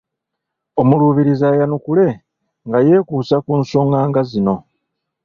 Omuluubirizi ayanukule nga yeekuusa ku nsonga nga zino